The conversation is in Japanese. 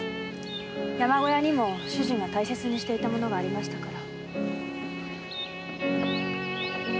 山小屋にも主人が大切にしていたものがありましたから。